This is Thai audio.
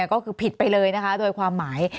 ก็คือผิดไปเลยนะคะโดยความหมาย